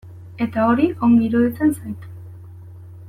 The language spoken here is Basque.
Eta hori ongi iruditzen zait.